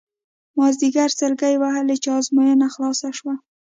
مازیګر سلګۍ وهلې چې ازموینه خلاصه شوه.